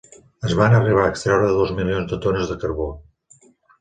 Es van arribar a extreure dos milions de tones de carbó.